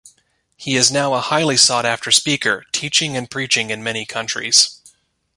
He is now a highly sought after speaker, teaching and preaching in many countries.